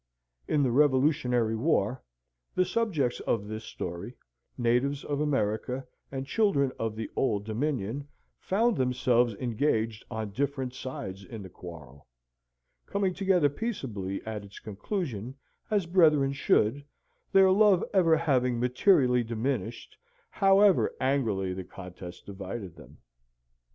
In the Revolutionary War, the subjects of this story, natives of America, and children of the Old Dominion, found themselves engaged on different sides in the quarrel, coming together peaceably at its conclusion, as brethren should, their love ever having materially diminished, however angrily the contest divided them.